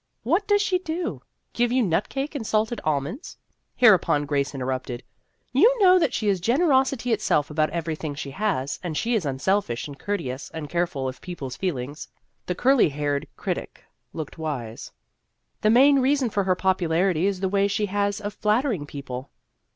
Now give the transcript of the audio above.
" What does she do ? Give you nut cake and salted almonds ?" Hereupon Grace interrupted :" You know that she is generosity itself about everything she has, and she is unselfish and courteous and careful of people's feel ings." The curly haired critic looked wise. " The main reason for her popularity is the way she has of flattering people."